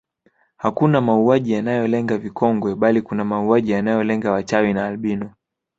Hakuna mauaji yanayolenga vikongwe bali kuna mauaji yanayolenga wachawi na albino